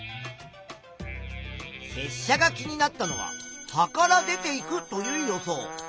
せっしゃが気になったのは葉から出ていくという予想。